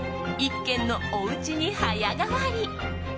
１軒のおうちに早変わり。